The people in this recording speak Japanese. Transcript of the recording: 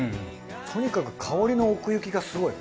とにかく香りの奥行きがすごい。